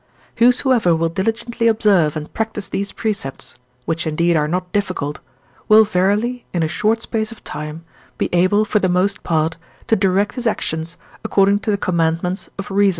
Whosoever will diligently observe and practise these precepts (which indeed are not difficult) will verily, in a short space of time, be able, for the most part, to direct his actions according to the commandments of reason.